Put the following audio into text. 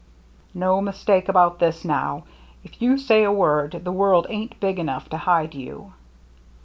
" No mistake about this now. If you say a word, the world ain't big enough to hide you."